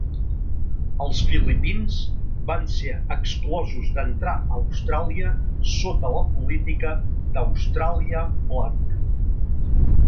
Els filipins van ser exclosos d'entrar a Austràlia sota la política d'Austràlia Blanca.